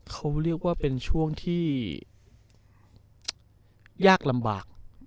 เขาเรียกว่าเป็นช่วงที่ยากลำบาก